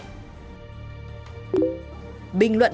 bình luận bình luận